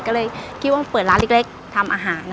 ต้องเปิดแรงมีทำอะไรก็เลยมีวังเปิดร้านเล็กทำอาหาร